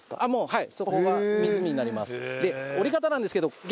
はい。